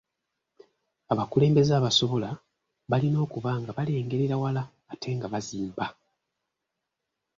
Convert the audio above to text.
Abakulembeze abasobola balina okuba nga balengerera wala ate nga bazimba.